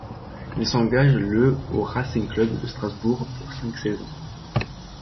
Il s'engage le au Racing Club de Strasbourg pour cinq saisons.